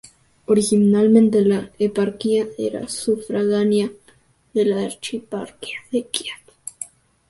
Originalmente, la eparquía era sufragánea de la archieparquía de Kiev.